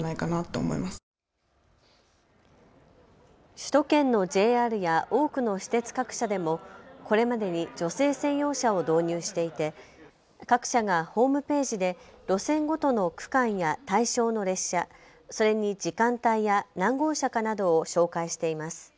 首都圏のＪＲや多くの私鉄各社でも、これまでに女性専用車を導入していて各社がホームページで路線ごとの区間や対象の列車、それに時間帯や何号車かなどを紹介しています。